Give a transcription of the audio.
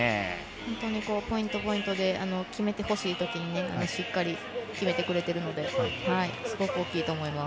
本当にポイント、ポイントで決めてほしいときにしっかり決めてくれているのですごく大きいと思います。